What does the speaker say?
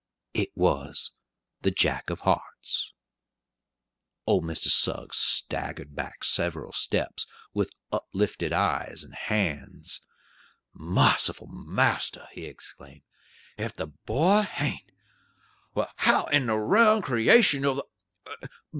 It was the Jack of hearts! Old Mr. Suggs staggered back several steps, with uplifted eyes and hands! "Marciful master!" he exclaimed, "ef the boy hain't! Well, how in the round creation of the